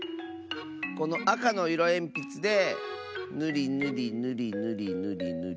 このあかのいろえんぴつでぬりぬりぬりぬり